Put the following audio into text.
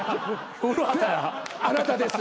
あなたです。